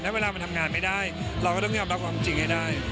เวลามันทำงานไม่ได้เราก็ต้องยอมรับความจริงให้ได้